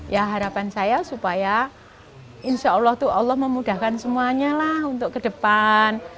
ya harapan saya supaya insya allah tuh allah memudahkan semuanya lah untuk ke depan